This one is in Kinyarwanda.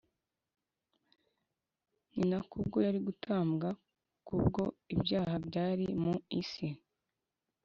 ni nako ubwo yari gutambwa kubwo ibyaha by’abari mu isi